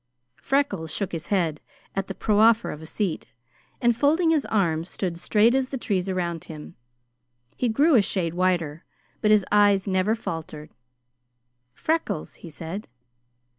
Freckles shook his head at the proffer of a seat, and folding his arms, stood straight as the trees around him. He grew a shade whiter, but his eyes never faltered. "Freckles!" he said.